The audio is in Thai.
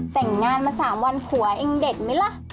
แต่งงานมา๓วันผัวเองเด็ดไหมล่ะ